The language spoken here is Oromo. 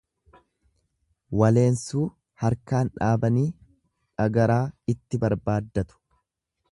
Waleensuu harkaan dhaabanii dhagaraa itti barbaaddatu.